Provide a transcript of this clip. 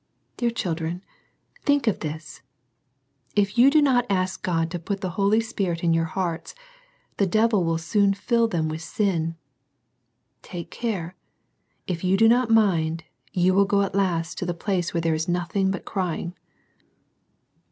Dear children, think of this ! If you do not ask God to put the Holy Spirit in your hearts, the devil will soon fill them with sin. Take care. If you do not mind, you will go at last to the place where there is nothing but " CRYING."